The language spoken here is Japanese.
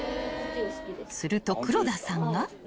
［すると黒田さんが］